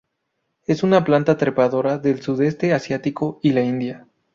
Es una planta trepadora del Sudeste Asiático y la India.